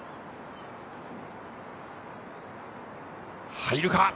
入るか？